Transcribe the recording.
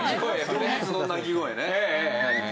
動物の鳴き声ね。